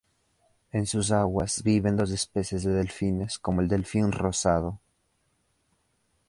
En sus aguas viven dos especies de delfines, como el delfín rosado.